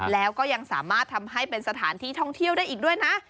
แล้วก็ยังสามารถทำให้เป็นสถานที่ท่องเที่ยวได้อีกด้วยนะ